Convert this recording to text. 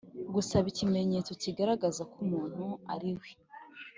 gusaba ikimenyetso kigaragaza ko umuntu ariwe